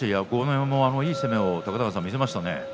山もいい攻めを見せましたね。